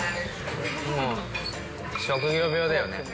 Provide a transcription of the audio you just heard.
もう職業病だよね。